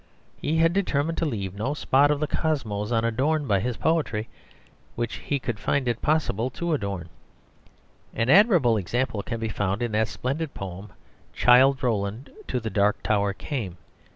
He had determined to leave no spot of the cosmos unadorned by his poetry which he could find it possible to adorn. An admirable example can be found in that splendid poem "Childe Roland to the Dark Tower came."